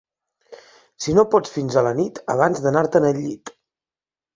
Si no pots fins a la nit, abans d'anar-te'n al llit...